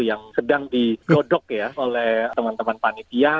yang sedang digodok ya oleh teman teman panitia